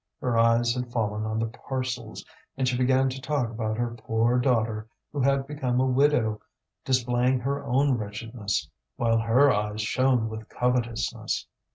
Her eyes had fallen on the parcels, and she began to talk about her poor daughter, who had become a widow, displaying her own wretchedness, while her eyes shone with covetousness.